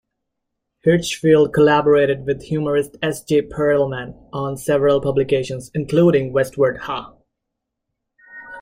Hirschfeld collaborated with humorist S. J. Perelman on several publications, including Westward Ha!